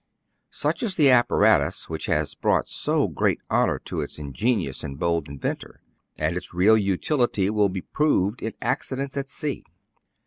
Such is the apparatus which has brought so great honor to its ingenious and bold inventor; and its real utility will be proved in accidents at sea.